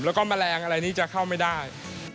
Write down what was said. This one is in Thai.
แล้วก็แมลงอะไรนี้จะเข้าไม่ได้